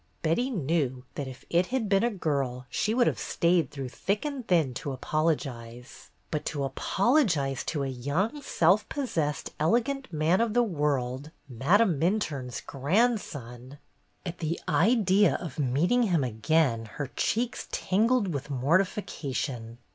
Betty knew that if it had been a girl she would have stayed through thick and thin to A GAY LUNCHEON 1 29 apologize; but to apologize to a young, self possessed, elegant man of the world, Madame Minturne's grandson —! At the idea of meeting him again her cheeks tingled with mortification.